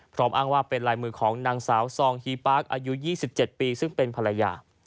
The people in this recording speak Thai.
อ้างว่าเป็นลายมือของนางสาวซองฮีปาร์คอายุ๒๗ปีซึ่งเป็นภรรยา